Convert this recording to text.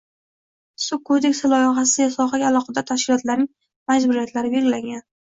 Suv kodeksi loyihasida sohaga aloqador tashkilotlarning majburiyatlari belgilanganng